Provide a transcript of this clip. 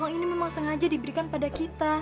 uang ini memang sengaja diberikan pada kita